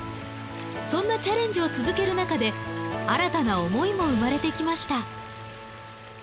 そんなチャレンジを続けるなかで新たな思いも生まれてきました。